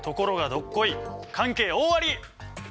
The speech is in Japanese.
どっこい関係大あり！